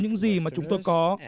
những gì mà chúng tôi có